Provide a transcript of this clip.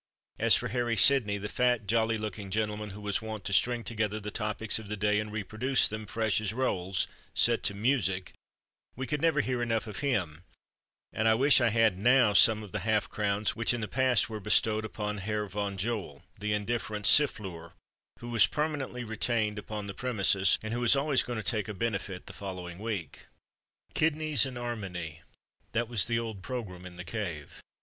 As for Harry Sidney, the fat, jolly looking gentleman who was wont to string together the topics of the day and reproduce them, fresh as rolls, set to music, we could never hear enough of him; and I wish I had now some of the half crowns which in the past were bestowed upon Herr Von Joel, the indifferent siffleur, who was "permanently retained upon the premises," and who was always going to take a benefit the following week. "Kidneys and 'armony" that was the old programme in the "Cave."